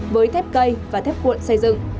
với thép cây và thép cuộn xây dựng